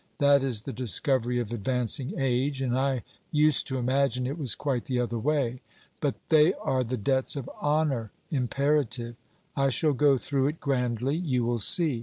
That is the discovery of advancing age: and I used to imagine it was quite the other way. But they are the debts of honour, imperative. I shall go through it grandly, you will see.